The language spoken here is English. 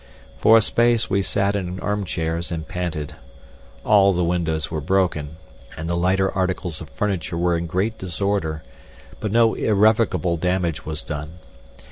For a space we sat in arm chairs and panted. All the windows were broken, and the lighter articles of furniture were in great disorder, but no irrevocable damage was done.